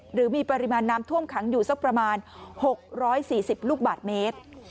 หรือมีปริมาณน้ำท่วมขังอยู่สักประมาณ๖๔๐ลูกบาทเมตร